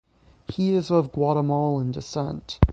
He is of Guatemalan descent.